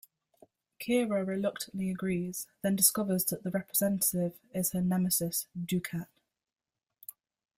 Kira reluctantly agrees, then discovers that the representative is her nemesis, Dukat.